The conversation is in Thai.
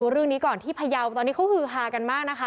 เรื่องนี้ก่อนที่พยาวตอนนี้เขาฮือฮากันมากนะคะ